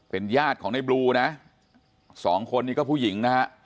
เป็นญาติของในบลูนะสองคนนี้ก็ผู้หญิงนะฮะ